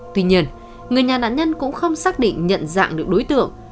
tuy nhiên người nhà nạn nhân cũng không xác định nhận dạng được đối tượng